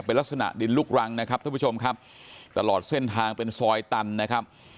เป็นลักษณะดินลุกรังนะครับท่านผู้ชมครับตลอดเส้นทางเป็นซอยตันนะครับ